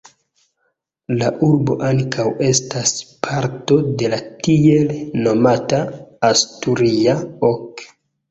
La urbo ankaŭ estas parto de la tiel nomata "Asturia ok".